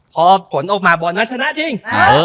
พอผลออกมาบอลนั้นชนะจริง